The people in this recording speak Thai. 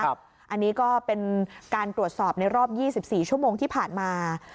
อันนี้ก็เป็นการตรวจสอบในรอบ๒๔ชั่วโมงที่ผ่านมา